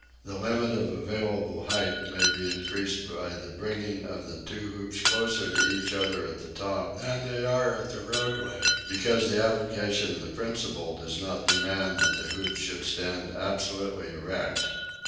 The limit of available height may be increased by the bringing of the two hoops closer to each other at the top than they are at the roadway, because the application of the principle does not demand that the hoops should stand absolutely erect.